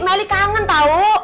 meli kangen tau